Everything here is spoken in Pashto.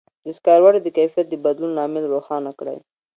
د سکروټي د کیفیت د بدلون لامل روښانه کړئ.